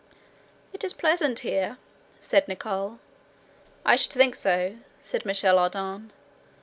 "It is pleasant here," said Nicholl. "I should think so," said Michel Ardan.